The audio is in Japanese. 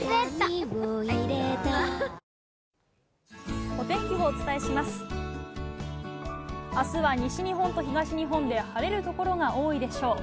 あすは西日本と東日本で晴れる所が多いでしょう。